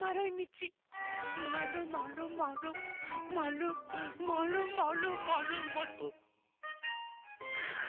まるまるまるまるまるまるまるまるあっ。